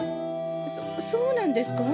そそうなんですか？